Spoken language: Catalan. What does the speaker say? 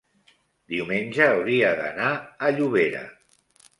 diumenge hauria d'anar a Llobera.